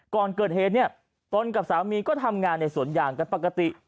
ก่อนเกิดเหตุต้นกับสามีก็ทำงานในสวนอย่างปกติ